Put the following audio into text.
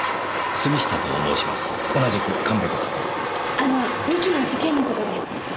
あの三木の事件のことで。